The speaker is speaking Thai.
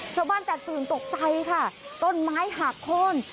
ชาวบ้านแตกตื่นตกใจค่ะต้นไม้หักโค้น